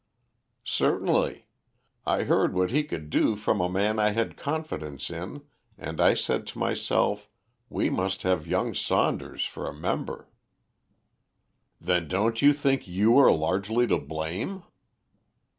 "Certainly. I heard what he could do from a man I had confidence in, and I said to myself, We must have young Saunders for a member." "Then don't you think you are largely to blame?"